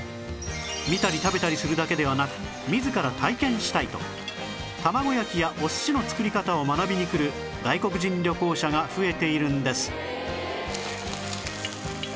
見たり食べたりするだけではなく自ら体験したいと卵焼きやお寿司の作り方を学びに来る外国人旅行者が増えているんです